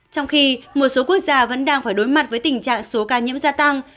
trong khi một số quốc gia vẫn đang phải đối mặt với tình trạng số ca nhiễm gia tăng